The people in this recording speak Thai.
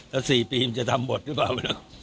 แล้วสี่ปีมจะทำหมดหรือเปล่า